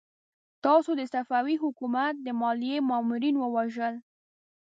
تاسو د صفوي حکومت د ماليې مامورين ووژل!